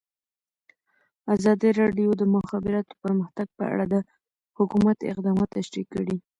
ازادي راډیو د د مخابراتو پرمختګ په اړه د حکومت اقدامات تشریح کړي.